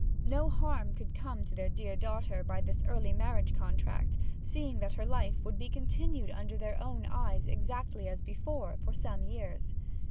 No harm could come to their dear daughter by this early marriage contract, seeing that her life would be continued under their own eyes, exactly as before, for some years.